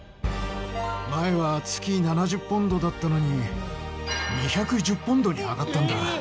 前は月７０ポンドだったのに２１０ポンドに上がったんだ。